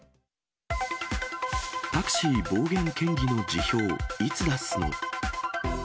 タクシー暴言県議の辞表、いつ出すの？